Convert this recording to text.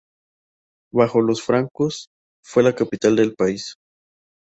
Bajo los francos, fue la capital del país.